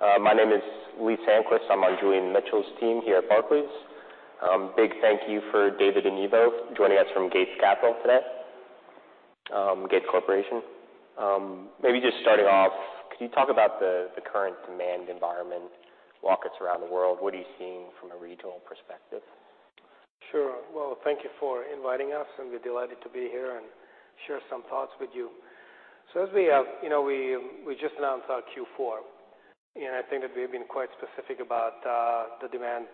My name is Lee Sandquist. I'm on Julian Mitchell's team here at Barclays. Big thank you for David and Ivo joining us from Gates Corporation today. Maybe just starting off, could you talk about the current demand environment, markets around the world? What are you seeing from a regional perspective? Sure. Thank you for inviting us, and we're delighted to be here and share some thoughts with you. As we have, we just announced our Q4, and I think that we've been quite specific about the demand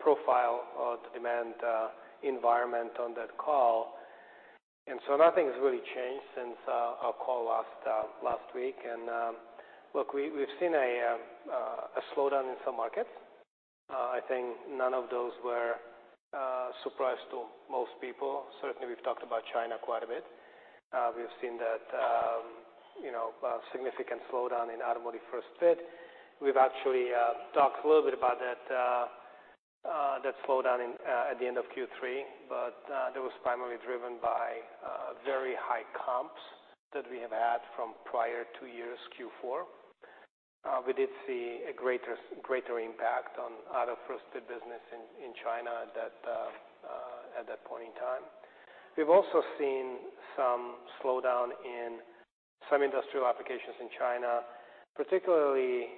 profile or the demand environment on that call. Nothing has really changed since our call last week. Look, we've seen a slowdown in some markets. I think none of those were a surprise to most people. Certainly, we've talked about China quite a bit. We've seen that significant slowdown in automotive first-fit. We've actually talked a little bit about that slowdown at the end of Q3, but that was primarily driven by very high comps that we have had from prior two years, Q4. We did see a greater impact on auto first-fit business in China at that point in time. We've also seen some slowdown in some industrial applications in China, particularly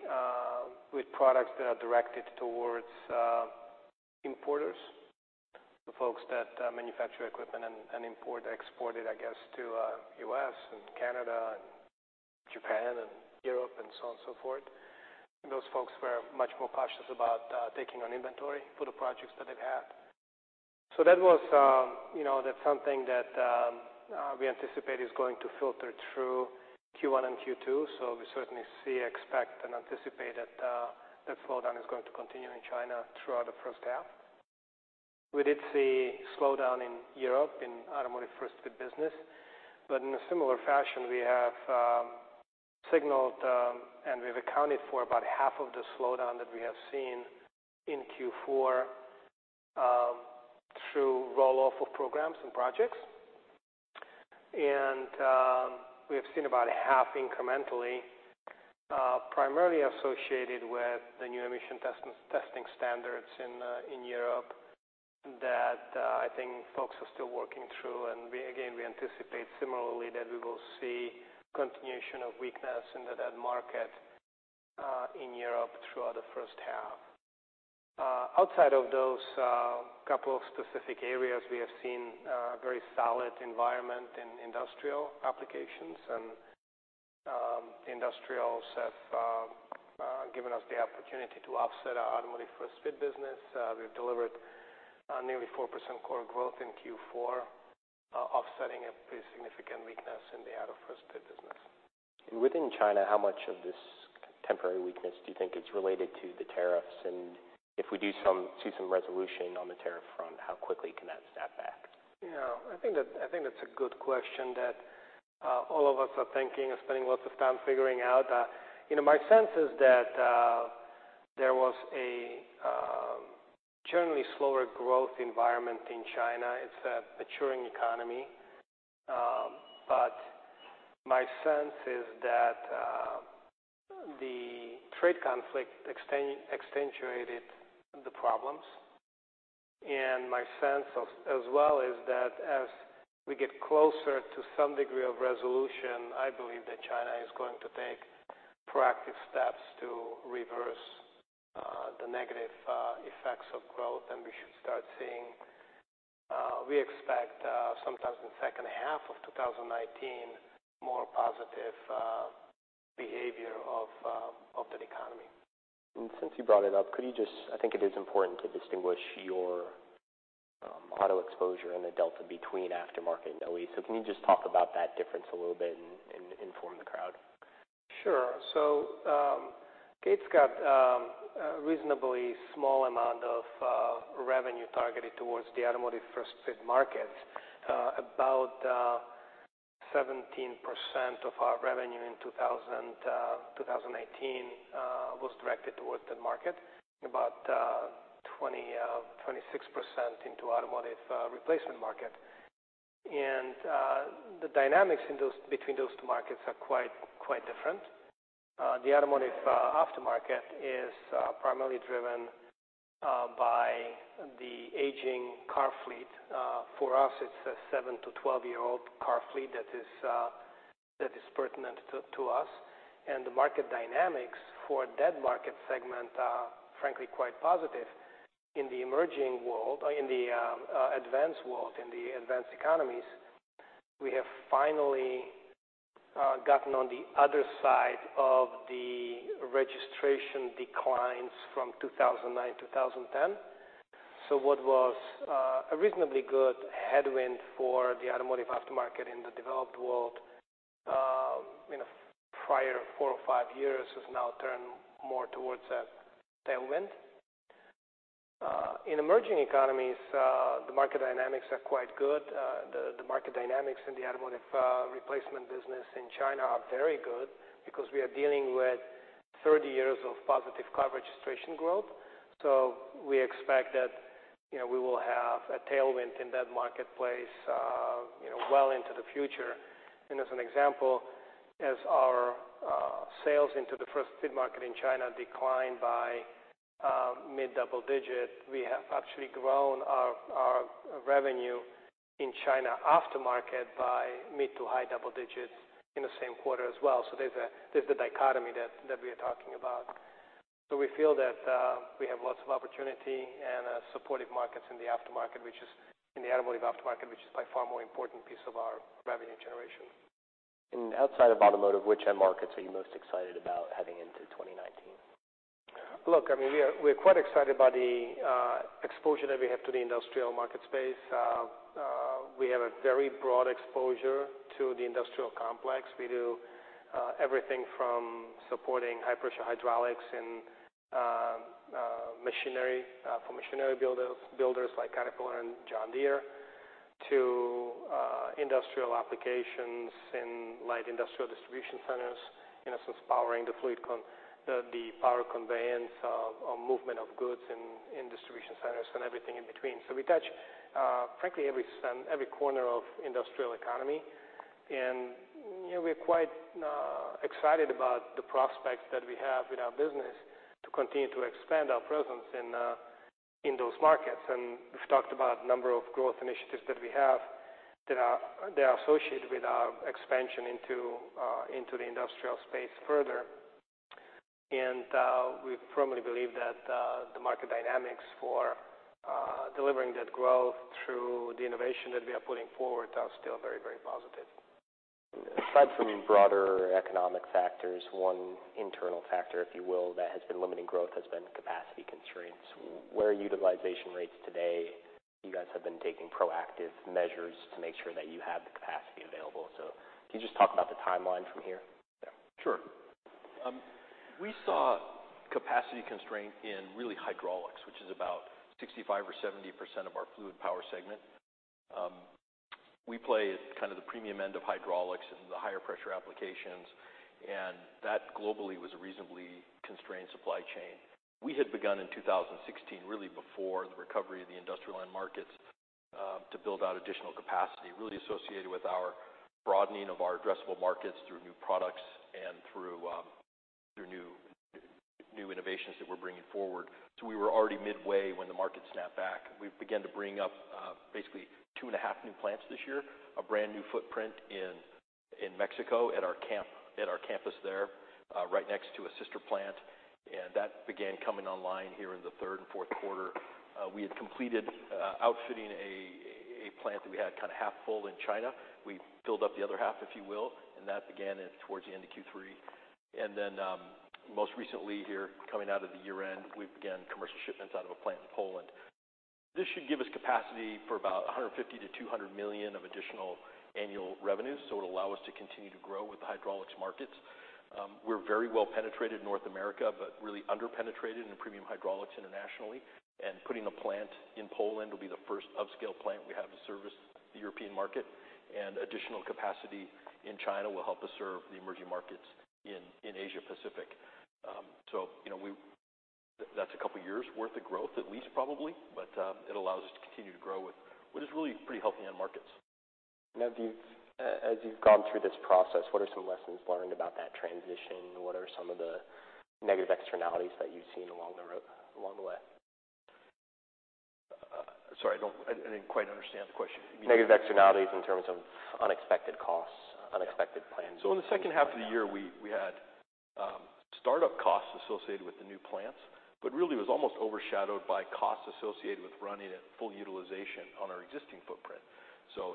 with products that are directed towards importers, the folks that manufacture equipment and import, export it, I guess, to the U.S. and Canada and Japan and Europe and so on and so forth. Those folks were much more cautious about taking on inventory for the projects that they've had. That was something that we anticipate is going to filter through Q1 and Q2. We certainly see, expect, and anticipate that that slowdown is going to continue in China throughout the first half. We did see a slowdown in Europe in automotive first-fit business, but in a similar fashion, we have signaled and we've accounted for about half of the slowdown that we have seen in Q4 through rollout of programs and projects. We have seen about half incrementally, primarily associated with the new emission testing standards in Europe that I think folks are still working through. Again, we anticipate similarly that we will see continuation of weakness in that market in Europe throughout the first half. Outside of those couple of specific areas, we have seen a very solid environment in industrial applications, and the industrials have given us the opportunity to offset our automotive first-fit business. We have delivered nearly 4% core growth in Q4, offsetting a pretty significant weakness in the auto first-fit business. Within China, how much of this temporary weakness do you think is related to the tariffs? If we do see some resolution on the tariff front, how quickly can that snap back? Yeah. I think that's a good question that all of us are thinking and spending lots of time figuring out. My sense is that there was a generally slower growth environment in China. It's a maturing economy. My sense is that the trade conflict accentuated the problems. My sense as well is that as we get closer to some degree of resolution, I believe that China is going to take proactive steps to reverse the negative effects of growth, and we should start seeing, we expect sometimes in the second half of 2019, more positive behavior of the economy. Since you brought it up, could you just—I think it is important to distinguish your auto exposure and the delta between aftermarket and OE? Can you just talk about that difference a little bit and inform the crowd? Sure. Gates got a reasonably small amount of revenue targeted towards the automotive first-fit markets. About 17% of our revenue in 2018 was directed towards that market, about 26% into automotive replacement market. The dynamics between those two markets are quite different. The automotive aftermarket is primarily driven by the aging car fleet. For us, it is a seven to 12-year-old car fleet that is pertinent to us. The market dynamics for that market segment are, frankly, quite positive. In the emerging world, in the advanced world, in the advanced economies, we have finally gotten on the other side of the registration declines from 2009, 2010. What was a reasonably good headwind for the automotive aftermarket in the developed world in the prior four or five years has now turned more towards a tailwind. In emerging economies, the market dynamics are quite good. The market dynamics in the automotive replacement business in China are very good because we are dealing with 30 years of positive car registration growth. We expect that we will have a tailwind in that marketplace well into the future. As an example, as our sales into the first-fit market in China declined by mid-double digit, we have actually grown our revenue in China aftermarket by mid to high-double digits in the same quarter as well. There is the dichotomy that we are talking about. We feel that we have lots of opportunity and supportive markets in the aftermarket, which is in the automotive aftermarket, which is by far a more important piece of our revenue generation. Outside of automotive, which end markets are you most excited about heading into 2019? Look, I mean, we're quite excited by the exposure that we have to the industrial market space. We have a very broad exposure to the industrial complex. We do everything from supporting high-pressure hydraulics and machinery for machinery builders like Caterpillar and John Deere to industrial applications in light industrial distribution centers, in a sense, powering the fleet, the power conveyance, movement of goods in distribution centers, and everything in between. We touch, frankly, every corner of the industrial economy. We're quite excited about the prospects that we have in our business to continue to expand our presence in those markets. We've talked about a number of growth initiatives that we have that are associated with our expansion into the industrial space further. We firmly believe that the market dynamics for delivering that growth through the innovation that we are putting forward are still very, very positive. Aside from broader economic factors, one internal factor, if you will, that has been limiting growth has been capacity constraints. Where are utilization rates today? You guys have been taking proactive measures to make sure that you have the capacity available. Can you just talk about the timeline from here? Sure. We saw capacity constraint in really hydraulics, which is about 65% or 70% of our fluid power segment. We play at kind of the premium end of hydraulics and the higher pressure applications. That globally was a reasonably constrained supply chain. We had begun in 2016, really before the recovery of the industrial end markets, to build out additional capacity, really associated with our broadening of our addressable markets through new products and through new innovations that we are bringing forward. We were already midway when the market snapped back. We began to bring up basically two and a half new plants this year, a brand new footprint in Mexico at our campus there, right next to a sister plant. That began coming online here in the third and fourth quarter. We had completed outfitting a plant that we had kind of half full in China. We filled up the other half, if you will, and that began towards the end of Q3. Most recently here, coming out of the year-end, we began commercial shipments out of a plant in Poland. This should give us capacity for about $150 million-$200 million of additional annual revenue. It will allow us to continue to grow with the hydraulics markets. We are very well penetrated in North America, but really under-penetrated in premium hydraulics internationally. Putting a plant in Poland will be the first upscale plant we have to service the European market. Additional capacity in China will help us serve the emerging markets in Asia Pacific. That is a couple of years' worth of growth, at least probably, but it allows us to continue to grow with what is really pretty healthy end markets. Now, as you've gone through this process, what are some lessons learned about that transition? What are some of the negative externalities that you've seen along the way? Sorry, I didn't quite understand the question. Negative externalities in terms of unexpected costs, unexpected plans. In the second half of the year, we had startup costs associated with the new plants, but really it was almost overshadowed by costs associated with running at full utilization on our existing footprint.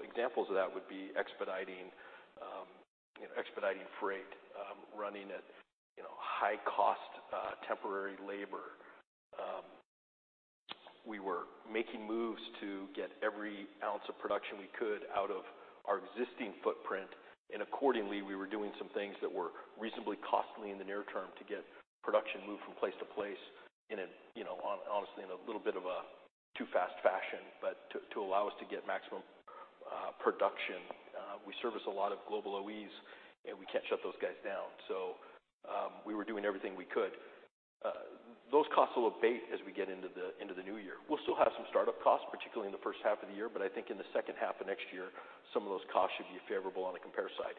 Examples of that would be expediting freight, running at high-cost temporary labor. We were making moves to get every ounce of production we could out of our existing footprint. Accordingly, we were doing some things that were reasonably costly in the near term to get production moved from place to place in, honestly, in a little bit of a too fast fashion, but to allow us to get maximum production. We service a lot of global OEs, and we can't shut those guys down. We were doing everything we could. Those costs will abate as we get into the new year. We'll still have some startup costs, particularly in the first half of the year, but I think in the second half of next year, some of those costs should be favorable on the compare side.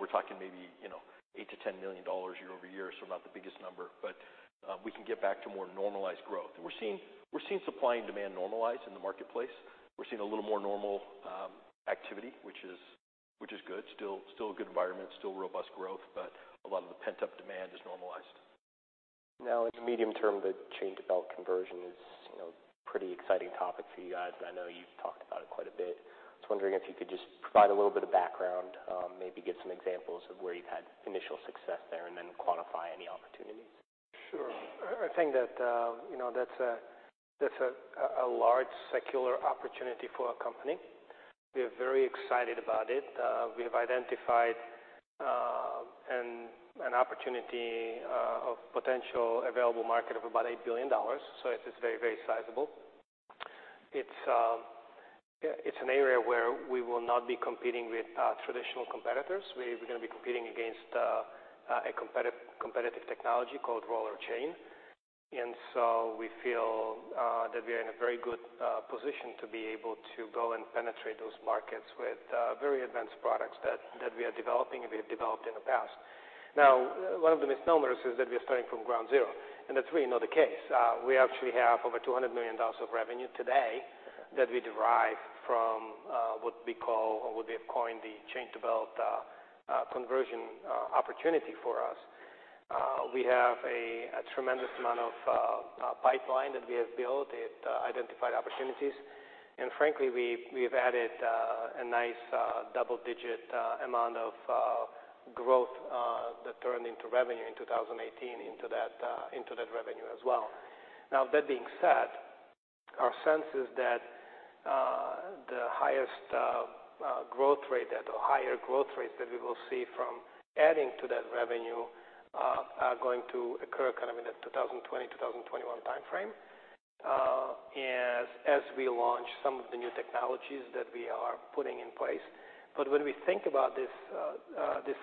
We're talking maybe $8 million-$10 million YoY, so not the biggest number, but we can get back to more normalized growth. We're seeing supply and demand normalize in the marketplace. We're seeing a little more normal activity, which is good. Still a good environment, still robust growth, but a lot of the pent-up demand is normalized. Now, in the medium term, the change about conversion is a pretty exciting topic for you guys. I know you've talked about it quite a bit. I was wondering if you could just provide a little bit of background, maybe give some examples of where you've had initial success there and then quantify any opportunities. Sure. I think that that's a large secular opportunity for a company. We are very excited about it. We have identified an opportunity of potential available market of about $8 billion. It is very, very sizable. It's an area where we will not be competing with traditional competitors. We're going to be competing against a competitive technology called roller chain. We feel that we are in a very good position to be able to go and penetrate those markets with very advanced products that we are developing and we have developed in the past. Now, one of the misnomers is that we are starting from ground zero, and that's really not the case. We actually have over $200 million of revenue today that we derive from what we call, or what we have coined, the chain conversion opportunity for us. We have a tremendous amount of pipeline that we have built at identified opportunities. Frankly, we have added a nice double-digit amount of growth that turned into revenue in 2018 into that revenue as well. That being said, our sense is that the highest growth rate or higher growth rates that we will see from adding to that revenue are going to occur kind of in the 2020, 2021 timeframe as we launch some of the new technologies that we are putting in place. When we think about this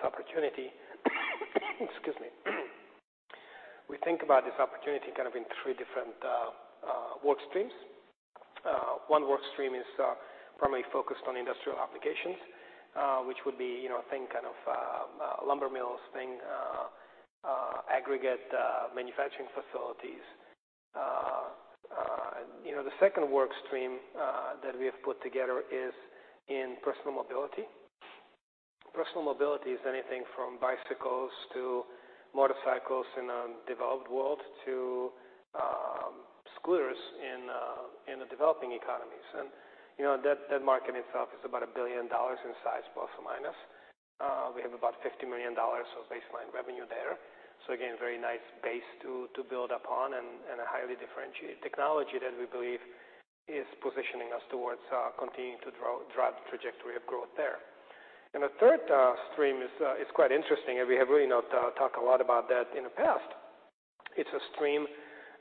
opportunity—excuse me—we think about this opportunity kind of in three different work streams. One work stream is primarily focused on industrial applications, which would be a thing kind of lumber mills, thing aggregate manufacturing facilities. The second work stream that we have put together is in personal mobility. Personal mobility is anything from bicycles to motorcycles in a developed world to scooters in the developing economies. That market itself is about $1 billion in size, plus or minus. We have about $50 million of baseline revenue there. Again, very nice base to build upon and a highly differentiated technology that we believe is positioning us towards continuing to drive the trajectory of growth there. The third stream is quite interesting, and we have really not talked a lot about that in the past. It is a stream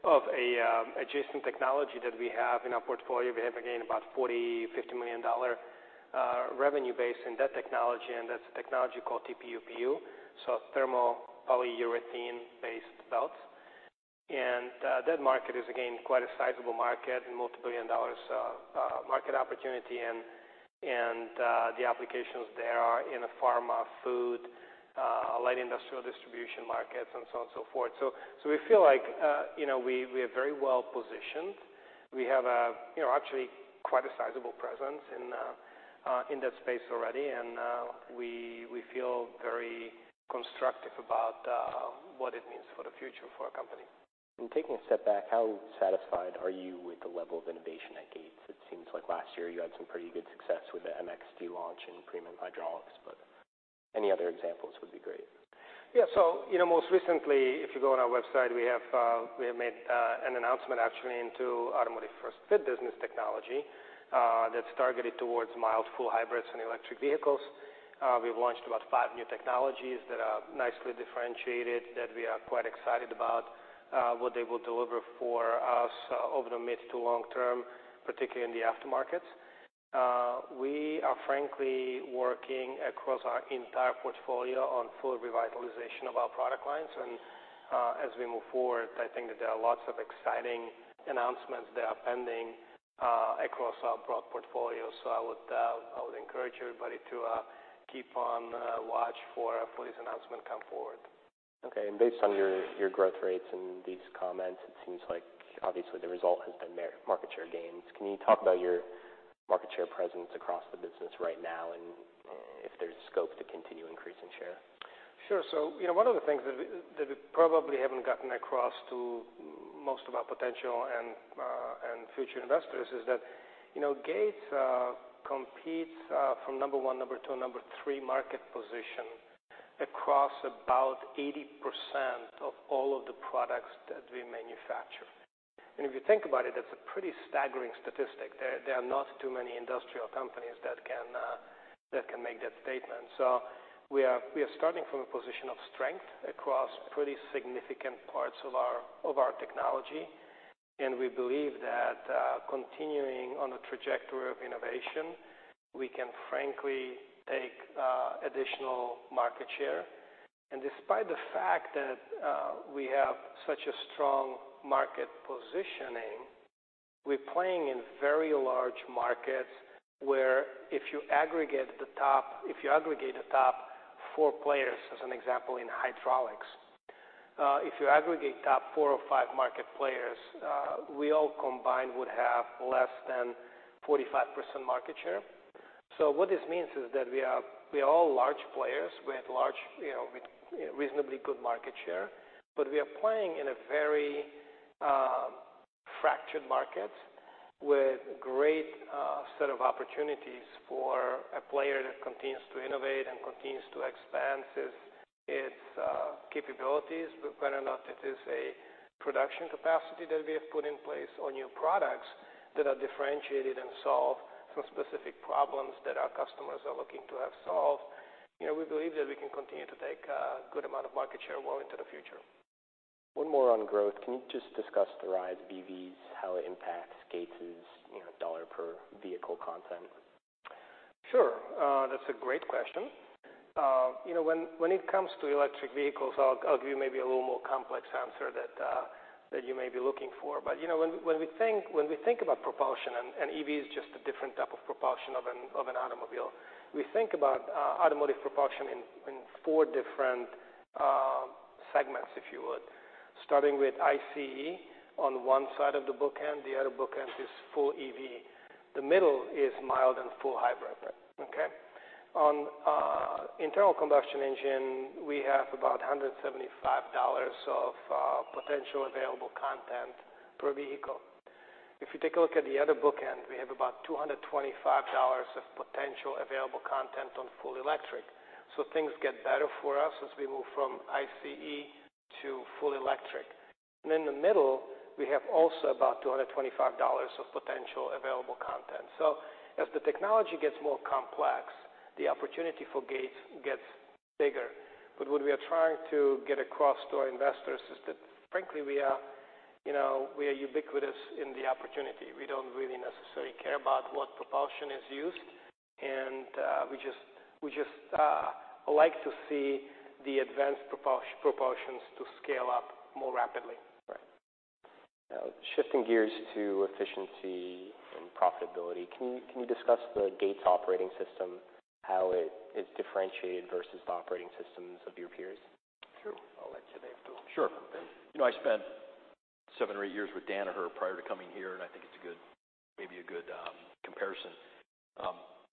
of an adjacent technology that we have in our portfolio. We have, again, about $40-$50 million revenue base in that technology, and that is a technology called TPU, so thermoplastic polyurethane-based belts. That market is, again, quite a sizable market and multi-billion dollars market opportunity. The applications there are in the pharma, food, light industrial distribution markets, and so on and so forth. We feel like we are very well positioned. We have actually quite a sizable presence in that space already, and we feel very constructive about what it means for the future for a company. Taking a step back, how satisfied are you with the level of innovation at Gates? It seems like last year you had some pretty good success with the MxD launch in premium hydraulics, but any other examples would be great. Yeah. Most recently, if you go on our website, we have made an announcement actually into automotive first-fit business technology that's targeted towards mild, full hybrids, and electric vehicles. We've launched about five new technologies that are nicely differentiated that we are quite excited about what they will deliver for us over the mid to long term, particularly in the aftermarkets. We are frankly working across our entire portfolio on full revitalization of our product lines. As we move forward, I think that there are lots of exciting announcements that are pending across our broad portfolio. I would encourage everybody to keep on watch for this announcement come forward. Okay. Based on your growth rates and these comments, it seems like obviously the result has been market share gains. Can you talk about your market share presence across the business right now and if there's scope to continue increasing share? Sure. One of the things that we probably have not gotten across to most of our potential and future investors is that Gates competes from number one, number two, and number three market position across about 80% of all of the products that we manufacture. If you think about it, that is a pretty staggering statistic. There are not too many industrial companies that can make that statement. We are starting from a position of strength across pretty significant parts of our technology. We believe that continuing on the trajectory of innovation, we can frankly take additional market share. Despite the fact that we have such a strong market positioning, we're playing in very large markets where if you aggregate the top four players, as an example, in hydraulics, if you aggregate top four or five market players, we all combined would have less than 45% market share. What this means is that we are all large players with reasonably good market share, but we are playing in a very fractured market with a great set of opportunities for a player that continues to innovate and continues to expand its capabilities, whether or not it is a production capacity that we have put in place or new products that are differentiated and solve some specific problems that our customers are looking to have solved. We believe that we can continue to take a good amount of market share well into the future. One more on growth. Can you just discuss the rise of EVs, how it impacts Gates' dollar per vehicle content? Sure. That's a great question. When it comes to electric vehicles, I'll give you maybe a little more complex answer that you may be looking for. But when we think about propulsion, and EV is just a different type of propulsion of an automobile, we think about automotive propulsion in four different segments, if you would, starting with ICE on one side of the bookend. The other bookend is full EV. The middle is mild and full hybrid. Okay? On internal combustion engine, we have about $175 of potential available content per vehicle. If you take a look at the other bookend, we have about $225 of potential available content on full electric. Things get better for us as we move from ICE to full electric. In the middle, we have also about $225 of potential available content. As the technology gets more complex, the opportunity for Gates gets bigger. What we are trying to get across to our investors is that, frankly, we are ubiquitous in the opportunity. We do not really necessarily care about what propulsion is used, and we just like to see the advanced propulsions scale up more rapidly. Right. Now, shifting gears to efficiency and profitability, can you discuss the Gates Operating System, how it is differentiated versus the operating systems of your peers? Sure. I'll let you take the. Sure. I spent seven or eight years with Danaher prior to coming here, and I think it's maybe a good comparison.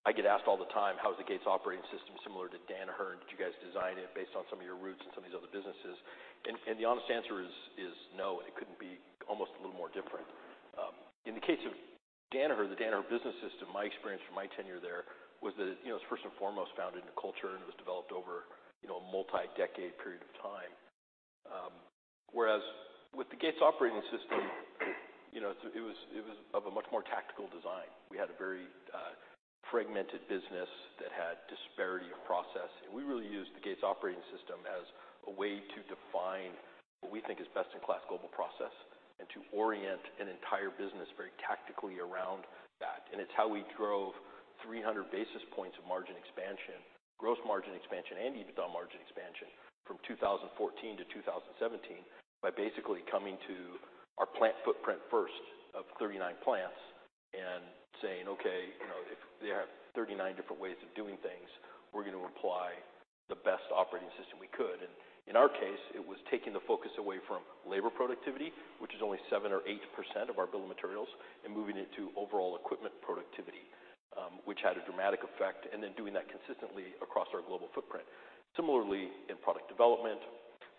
I get asked all the time, "How is the Gates Operating System similar to Danaher, and did you guys design it based on some of your roots and some of these other businesses?" The honest answer is no, and it couldn't be almost a little more different. In the case of Danaher, the Danaher business system, my experience from my tenure there was that it was first and foremost founded in a culture, and it was developed over a multi-decade period of time. Whereas with the Gates Operating System, it was of a much more tactical design. We had a very fragmented business that had disparity of process. We really used the Gates Operating System as a way to define what we think is best-in-class global process and to orient an entire business very tactically around that. It is how we drove 300 basis points of margin expansion, gross margin expansion, and even some margin expansion from 2014 to 2017 by basically coming to our plant footprint first of 39 plants and saying, "Okay, if they have 39 different ways of doing things, we're going to apply the best operating system we could." In our case, it was taking the focus away from labor productivity, which is only 7% or 8% of our bill of materials, and moving it to overall equipment productivity, which had a dramatic effect, and then doing that consistently across our global footprint. Similarly, in product development,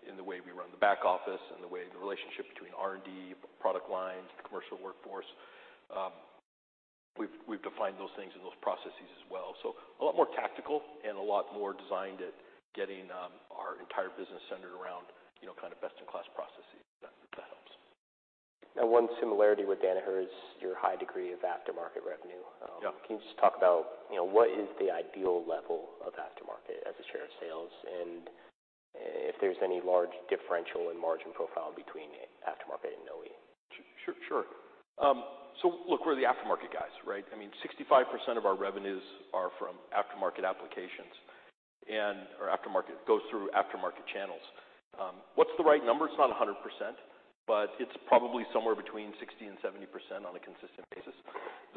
in the way we run the back office, and the way the relationship between R&D, product lines, commercial workforce, we've defined those things in those processes as well. A lot more tactical and a lot more designed at getting our entire business centered around kind of best-in-class processes. That helps. Now, one similarity with Danaher is your high degree of aftermarket revenue. Can you just talk about what is the ideal level of aftermarket as a share of sales and if there's any large differential in margin profile between aftermarket and OE? Sure. Look, we're the aftermarket guys, right? I mean, 65% of our revenues are from aftermarket applications, and our aftermarket goes through aftermarket channels. What's the right number? It's not 100%, but it's probably somewhere between 60%-70% on a consistent basis.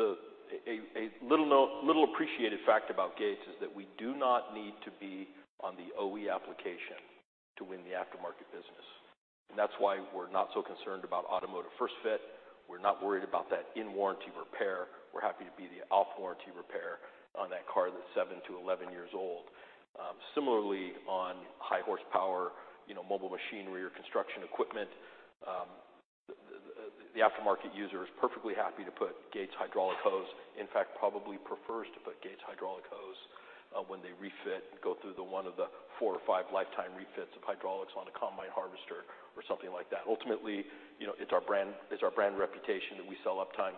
A little appreciated fact about Gates is that we do not need to be on the OE application to win the aftermarket business. That's why we're not so concerned about automotive first-fit. We're not worried about that in warranty repair. We're happy to be the off-warranty repair on that car that's seven to 11 years old. Similarly, on high horsepower mobile machinery or construction equipment, the aftermarket user is perfectly happy to put Gates hydraulic hose. In fact, probably prefers to put Gates hydraulic hose when they refit and go through one of the four or five lifetime refits of hydraulics on a combine harvester or something like that. Ultimately, it's our brand reputation that we sell uptime,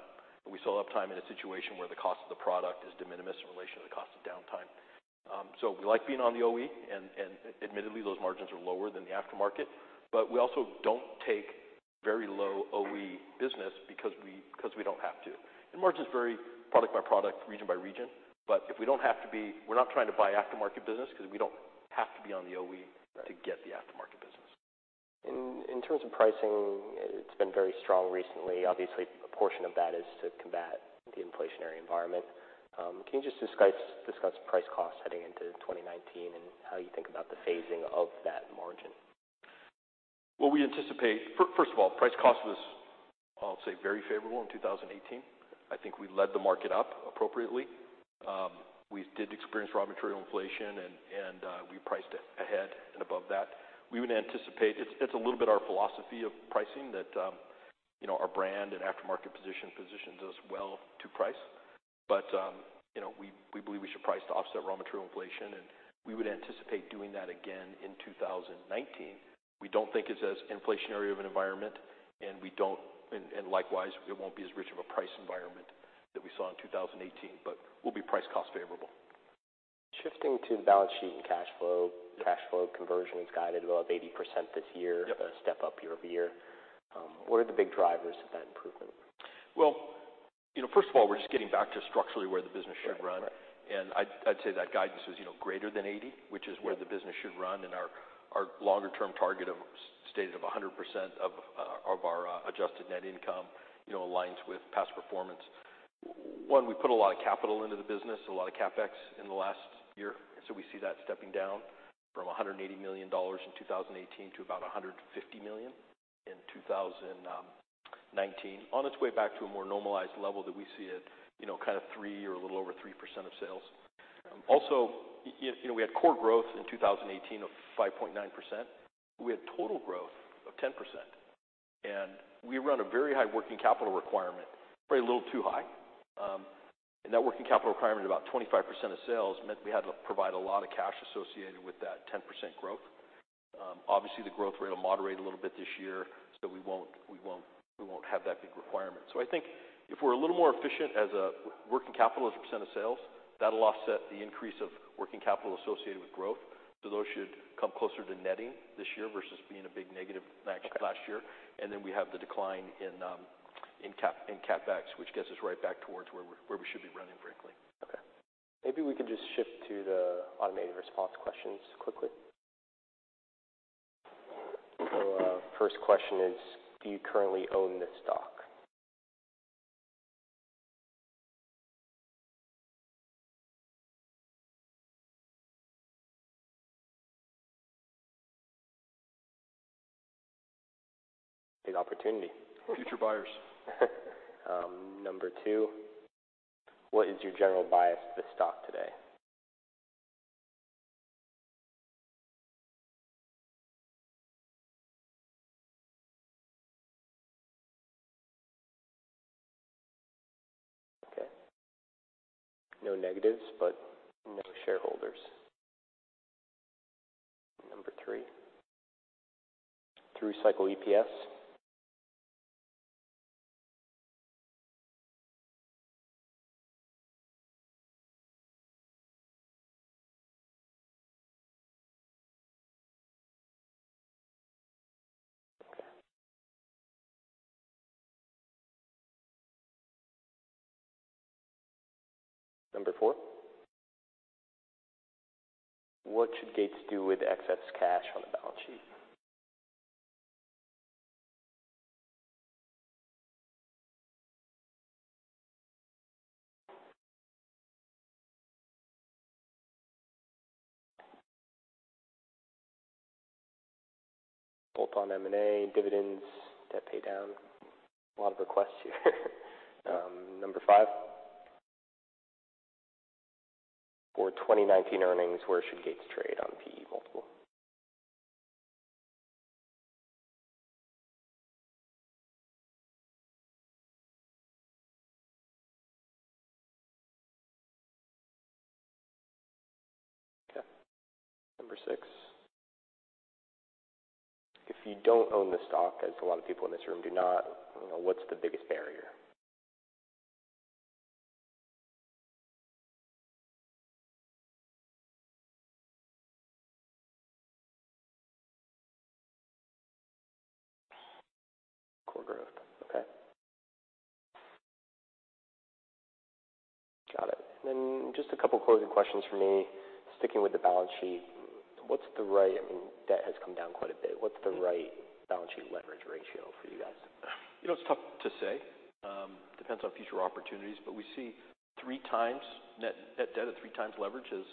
and we sell uptime in a situation where the cost of the product is de minimis in relation to the cost of downtime. We like being on the OE, and admittedly, those margins are lower than the aftermarket, but we also do not take very low OE business because we do not have to. Margin is very product by product, region by region. If we do not have to be, we are not trying to buy aftermarket business because we do not have to be on the OE to get the aftermarket business. In terms of pricing, it's been very strong recently. Obviously, a portion of that is to combat the inflationary environment. Can you just discuss price costs heading into 2019 and how you think about the phasing of that margin? We anticipate, first of all, price cost was, I'll say, very favorable in 2018. I think we led the market up appropriately. We did experience raw material inflation, and we priced ahead and above that. We would anticipate it's a little bit our philosophy of pricing that our brand and aftermarket position positions us well to price. We believe we should price to offset raw material inflation, and we would anticipate doing that again in 2019. We do not think it's as inflationary of an environment, and likewise, it will not be as rich of a price environment that we saw in 2018, but we will be price cost favorable. Shifting to balance sheet and cash flow, cash flow conversion is guided above 80% this year, step up YoY. What are the big drivers of that improvement? First of all, we're just getting back to structurally where the business should run. I'd say that guidance was greater than 80%, which is where the business should run. Our longer-term target stated of 100% of our adjusted net income aligns with past performance. One, we put a lot of capital into the business, a lot of CapEx in the last year. We see that stepping down from $180 million in 2018 to about $150 million in 2019, on its way back to a more normalized level that we see at kind of 3% or a little over 3% of sales. Also, we had core growth in 2018 of 5.9%. We had total growth of 10%. We run a very high working capital requirement, probably a little too high. That working capital requirement, about 25% of sales, meant we had to provide a lot of cash associated with that 10% growth. Obviously, the growth rate will moderate a little bit this year, so we will not have that big requirement. I think if we are a little more efficient as a working capital as a percent of sales, that will offset the increase of working capital associated with growth. Those should come closer to netting this year versus being a big negative last year. We have the decline in CapEx, which gets us right back towards where we should be running, frankly. Okay. Maybe we could just shift to the automated response questions quickly. First question is, do you currently own this stock? Big opportunity. Future buyers. Number two, what is your general bias for the stock today? Okay. No negatives, but no shareholders. Number three, through cycle EPS? Okay. Number four, what should Gates do with excess cash on the balance sheet? Bolt-on M&A, dividends, debt pay down. A lot of requests here. Number five, for 2019 earnings, where should Gates trade on PE multiple? Okay. Number six, if you do not own the stock, as a lot of people in this room do not, what is the biggest barrier? Core growth. Okay. Got it. Just a couple of closing questions for me. Sticking with the balance sheet, what is the right—I mean, debt has come down quite a bit. What is the right balance sheet leverage ratio for you guys? It's tough to say. Depends on future opportunities. We see three times net debt at three times leverage is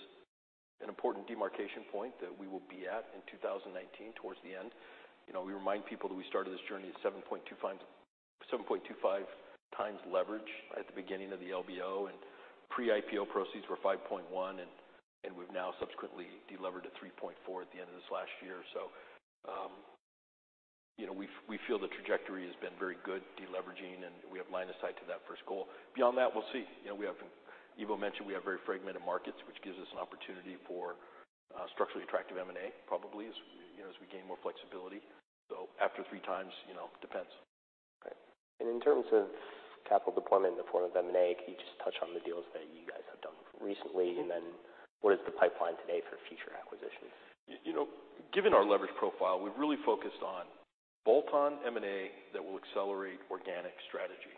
an important demarcation point that we will be at in 2019 towards the end. We remind people that we started this journey at 7.25 times leverage at the beginning of the LBO, and pre-IPO proceeds were 5.1, and we've now subsequently deleveraged at 3.4 at the end of this last year. We feel the trajectory has been very good deleveraging, and we have line of sight to that first goal. Beyond that, we'll see. We have—Ivo mentioned we have very fragmented markets, which gives us an opportunity for structurally attractive M&A, probably as we gain more flexibility. After three times, it depends. Okay. In terms of capital deployment in the form of M&A, can you just touch on the deals that you guys have done recently, and then what is the pipeline today for future acquisitions? Given our leverage profile, we've really focused on bolt-on M&A that will accelerate organic strategy.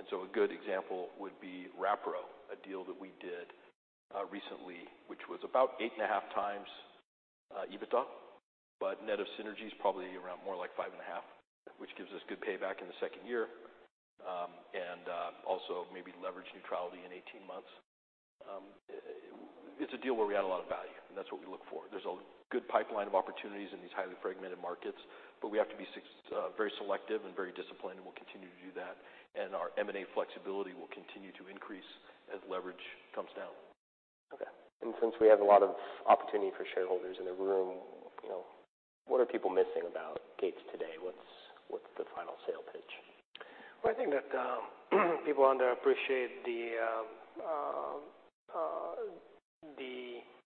A good example would be Rapro, a deal that we did recently, which was about 8.5% times EBITDA, but net of synergies, probably around more like 5.5%, which gives us good payback in the second year, and also maybe leverage neutrality in 18 months. It's a deal where we add a lot of value, and that's what we look for. There's a good pipeline of opportunities in these highly fragmented markets, but we have to be very selective and very disciplined, and we'll continue to do that. Our M&A flexibility will continue to increase as leverage comes down. Okay. Since we have a lot of opportunity for shareholders in the room, what are people missing about Gates today? What's the final sale pitch? I think that people underappreciate the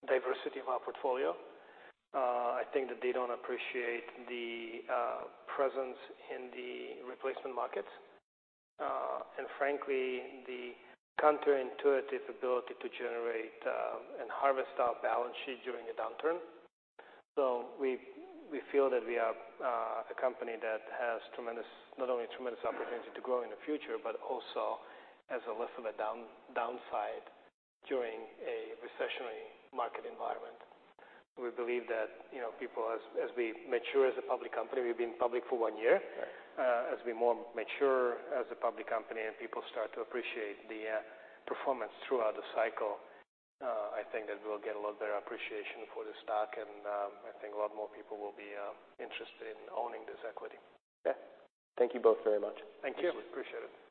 diversity of our portfolio. I think that they do not appreciate the presence in the replacement markets and, frankly, the counterintuitive ability to generate and harvest our balance sheet during a downturn. We feel that we are a company that has not only a tremendous opportunity to grow in the future, but also has less of a downside during a recessionary market environment. We believe that people, as we mature as a public company—we have been public for one year—as we more mature as a public company and people start to appreciate the performance throughout the cycle, I think that we will get a lot better appreciation for the stock, and I think a lot more people will be interested in owning this equity. Okay. Thank you both very much. Thank you. Absolutely. Appreciate it.